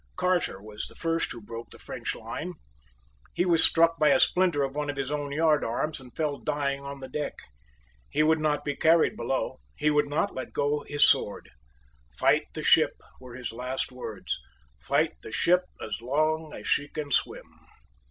Carter was the first who broke the French line. He was struck by a splinter of one of his own yard arms, and fell dying on the deck. He would not be carried below. He would not let go his sword. "Fight the ship," were his last words: "fight the ship as long as she can swim."